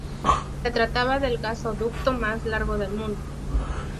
Se trataba del gasoducto mas largo del mundo.